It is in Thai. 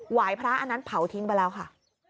วายพระอันนั้นเผาทิ้งไปแล้วค่ะ